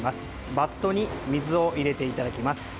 バットに水を入れていただきます。